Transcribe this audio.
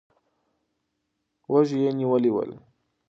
وږي یې نیولي ول.